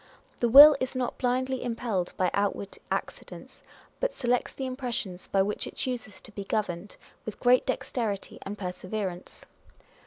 The will is not blindly impelled by outward accidents, but selects the impressions by which it chooses to be governed, with great dexterity and perseverance.